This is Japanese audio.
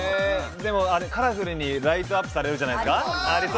カラフルにライトアップされるんじゃないですか？